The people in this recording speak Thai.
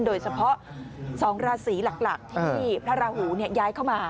โดยเฉพาะ๒ราศีหลักที่พระราหูย้ายเข้ามา